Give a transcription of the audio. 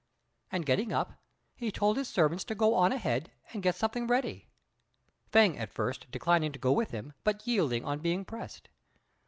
Then getting up, he told his servants to go on ahead and get something ready; Fêng at first declining to go with him, but yielding on being pressed.